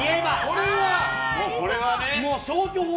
これはね。